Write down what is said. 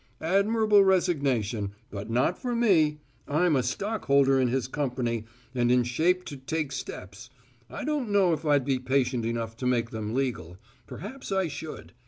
Admirable resignation, but not for me! I'm a stockholder in his company and in shape to `take steps'! I don't know if I'd be patient enough to make them legal perhaps I should.